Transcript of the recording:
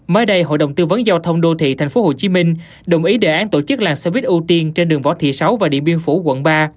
mới đây hội đồng tư vấn giao thông đô thị tp hcm đồng ý đề án tổ chức làng xe buýt ưu tiên trên đường võ thị sáu và điện biên phủ quận ba